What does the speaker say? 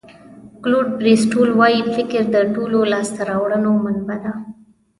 کلوډ بریسټول وایي فکر د ټولو لاسته راوړنو منبع ده.